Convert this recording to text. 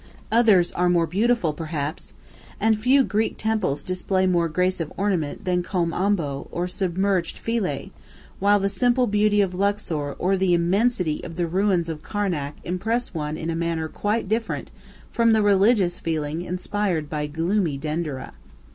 Others are more beautiful perhaps, and few Greek temples display more grace of ornament than Kom Ombo or submerged Philæ, while the simple beauty of Luxor or the immensity of the ruins of Karnac impress one in a manner quite different from the religious feeling inspired by gloomy Dendereh.